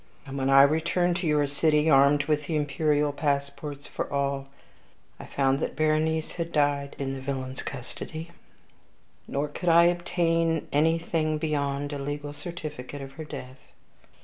And when I returned to your city, armed with the imperial passports for all, I found that Berenice had died in the villain's custody; nor could I obtain anything beyond a legal certificate of her death.